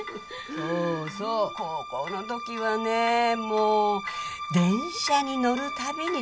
そうそう高校の時はねもう電車に乗る度に痴漢に遭ってね。